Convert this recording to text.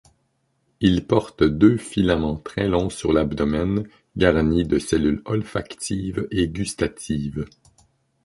Il porte deux filaments très longs sur l'abdomen, garnis de cellules olfactives et gustatives.